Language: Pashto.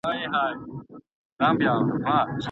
د فراغت سند بې پوښتني نه منل کیږي.